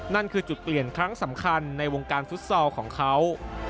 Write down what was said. นั่นคือจุดเปลี่ยนครั้งสำคัญในวงการฟุตซอลของเขา